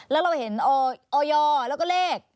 แล้วเราเห็นออยแล้วก็เลข